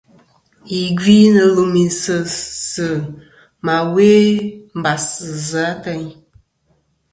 Yì gvi nɨ̀ lùmì si sɨ ma we mbas sɨ zɨ.